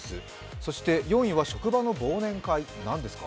そして４位は職場の忘年会、何ですか？